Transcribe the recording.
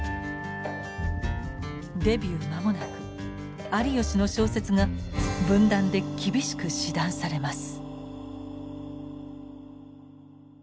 デビュー間もなく有吉の小説が文壇で厳しく指弾されます。